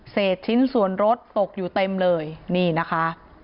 ชิ้นส่วนรถตกอยู่เต็มเลยนี่นะคะ